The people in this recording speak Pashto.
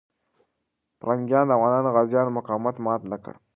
پرنګیان د افغان غازیانو مقاومت مات نه کړ.